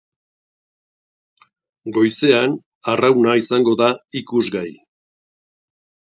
Goizean, arrauna izango da ikusgai.